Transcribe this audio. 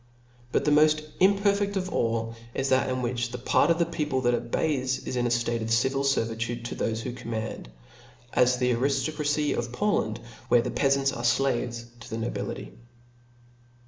But the moft imperfeA of all, is that in which the part of the people that obeys, is in a ftate of civil fervitudc to thofe who command, as the ariftocracy of Poland, where the peafants are flaves to the nobility.